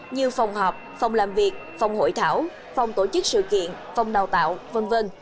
như phòng họp phòng làm việc phòng hội thảo phòng tổ chức sự kiện phòng đào tạo v v